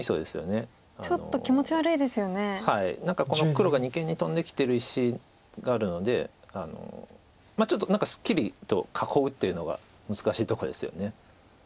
黒が二間にトンできてる石があるのでちょっとすっきりと囲うっていうのが難しいとこですよね。